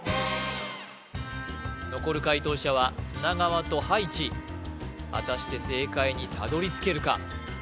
残る解答者は砂川と葉一果たして正解にたどり着けるか？